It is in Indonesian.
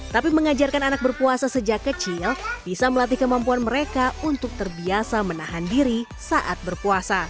tapi mengajarkan anak berpuasa sejak kecil bisa melatih kemampuan mereka untuk terbiasa menahan diri saat berpuasa